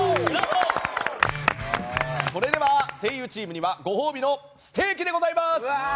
それでは声優チームにはご褒美のステーキでございます。